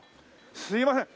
すいません。